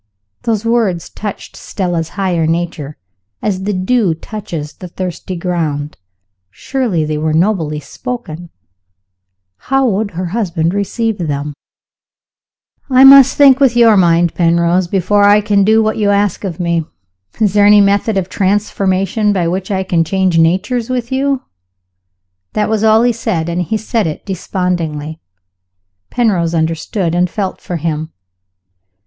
(Those words touched Stella's higher nature, as the dew touches the thirsty ground. Surely they were nobly spoken! How would her husband receive them?) "I must think with your mind, Penrose, before I can do what you ask of me. Is there any method of transformation by which I can change natures with you?" That was all he said and he said it despondingly. Penrose understood, and felt for him.